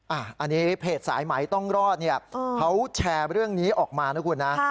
อันนี้เพจสายไหมต้องรอดเนี่ยเขาแชร์เรื่องนี้ออกมานะคุณนะ